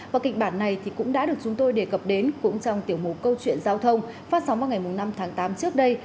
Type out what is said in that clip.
và kịch bản này cũng đã được chúng tôi đề cập đến cũng trong tiểu mục câu chuyện giao thông phát sóng vào ngày năm tháng tám trước đây